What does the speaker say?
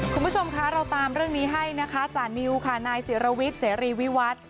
คุณผู้ชมคะเราตามเรื่องนี้ให้นะคะจานิวค่ะนายศิรวิทย์เสรีวิวัตร